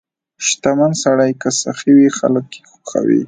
• شتمن سړی که سخي وي، خلک یې خوښوي.